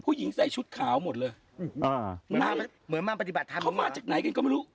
ผู้หญิงใส่ชุดขาวหมดเลยมาเหมือนมาปฏิบัติธรรมเขามาจากไหนกันก็ไม่รู้